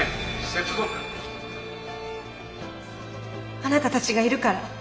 あなたたちがいるから。